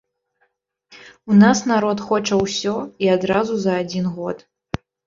У нас народ хоча ўсё і адразу за адзін год.